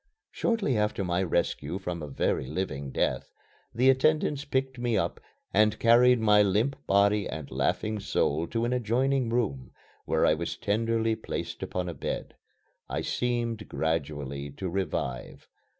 Shortly after my rescue from a very living death, the attendants picked me up and carried my limp body and laughing soul to an adjoining room, where I was tenderly placed upon a bed. I seemed gradually to revive.